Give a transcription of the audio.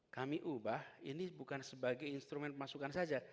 kami ubah ini bukan sebagai instrumen pemasukan saja